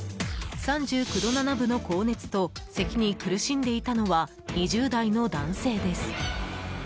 ３９度７分の高熱とせきに苦しんでいたのは２０代の男性です。